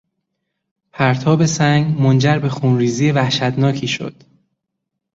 پرتاب سنگ منجر به خونریزی وحشتناکی شد.